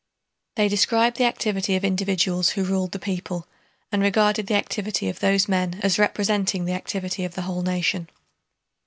They described the activity of individuals who ruled the people, and regarded the activity of those men as representing the activity of the whole nation.